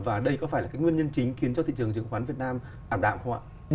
và đây có phải là cái nguyên nhân chính khiến cho thị trường chứng khoán việt nam ảm đạm không ạ